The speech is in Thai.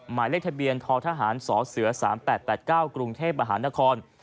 หมายเลขทะเบียนททหารสเส๓๘๘๙กรุงเทพมหานคร